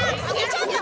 ちょっと！